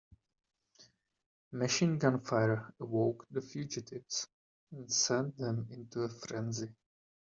Machine gun fire awoke the fugitives and sent them into a frenzy.